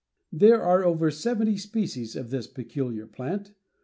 There are over seventy species of this peculiar plant.